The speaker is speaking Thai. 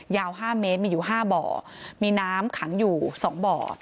๕เมตรมีอยู่๕บ่อมีน้ำขังอยู่๒บ่อ